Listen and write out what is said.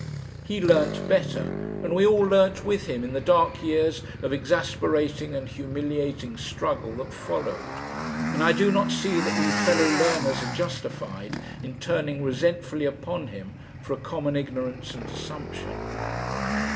He learnt better, and we all learnt with him in the dark years of exasperating and humiliating struggle that followed, and I do not see that we fellow learners are justified in turning resentfully upon him for a common ignorance and assumption....